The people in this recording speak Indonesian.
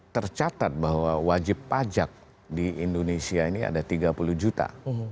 tercatat bahwa wajib pajak di indonesia ini ada tiga puluh juta